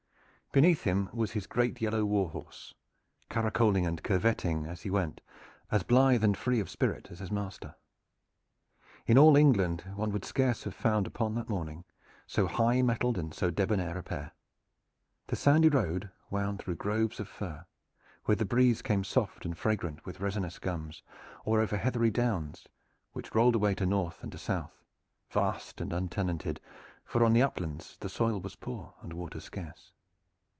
Beneath him was his great yellow warhorse, caracoling and curveting as he went, as blithe and free of spirit as his master. In all England one would scarce have found upon that morning so high mettled and so debonair a pair. The sandy road wound through groves of fir, where the breeze came soft and fragrant with resinous gums, or over heathery downs, which rolled away to north and to south, vast and untenanted, for on the uplands the soil was poor and water scarce.